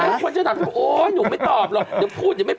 ไปแล้วถ้าจะถามเธอไม่ตอบหรอก